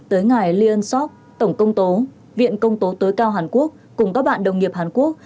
tới ngài ly ân sóc tổng công tố viện công tố tối cao hàn quốc cùng các bạn đồng nghiệp hàn quốc